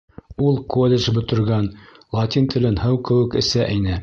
Ул колледж бөтөргән, латин телен һыу кеүек эсә ине.